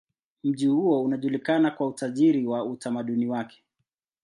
Mji huo unajulikana kwa utajiri wa utamaduni wake.